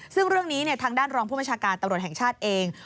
ซึ่งเรื่องนี้ทางด้านรองผู้บัญชาการตำรวจแห่งชาติเอง